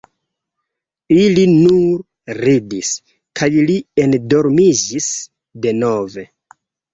Ili nur ridis, kaj li endormiĝis denove.